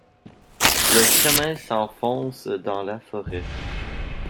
Le chemin s’enfonce dans la forêt.